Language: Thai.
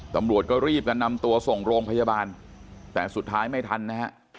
ตำรวจก็รีบกันนำตัวส่งโรงพยาบาลแต่สุดท้ายไม่ทันนะฮะ